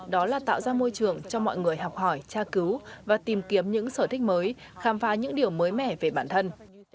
đó là tạo ra môi trường cho mọi người học hỏi tra cứu và tìm kiếm những sở thích mới khám phá những điều mới mẻ về bản thân